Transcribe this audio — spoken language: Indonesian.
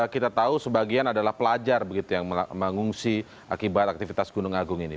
kita tahu sebagian adalah pelajar begitu yang mengungsi akibat aktivitas gunung agung ini